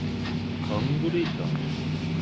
コンクリート